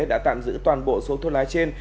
đã tạm giữ toàn bộ số thuốc lá trên